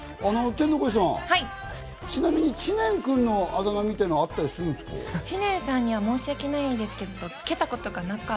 天の声さん、ちなみに知念君のあだ名みたいなのは、あったりするんですか？